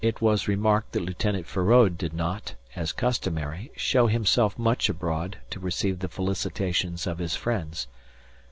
It was remarked that Lieutenant Feraud did not, as customary, show himself much abroad to receive the felicitations of his friends.